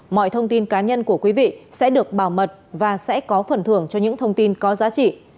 mọi thông tin cá nhân của quý vị sẽ được bảo mật và sẽ có phần thưởng cho những thông tin có giá trị